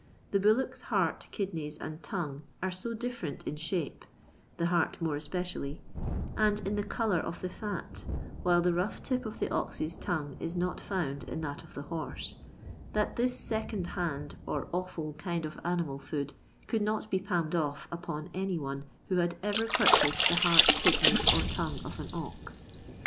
The bullock's heart, kidneys, and tongne, are so different in shape (the heart, more especially), and in the colour of the fat, while the rough tip of the ox's tongue is not found in that of the horse, that this second hand, or offal kind of animal food could not be palmed off upon any one who had ever purchased the heart, kidneys, or tongue of an ox.